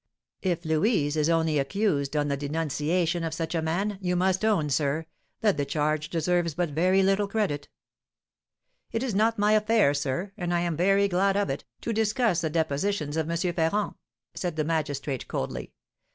If Louise is only accused on the denunciation of such a man, you must own, sir, that the charge deserves but very little credit." "It is not my affair, sir, and I am very glad of it, to discuss the depositions of M. Ferrand," said the magistrate, coldly.